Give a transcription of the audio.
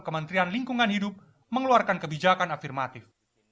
kementerian lingkungan hidup mengeluarkan kebijakan afirmatif